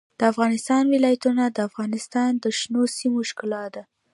د افغانستان ولايتونه د افغانستان د شنو سیمو ښکلا ده.